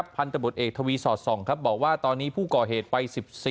พันธบทเอกทวีสอด๒บอกว่าตอนนี้ผู้ก่อเหตุไป๑๔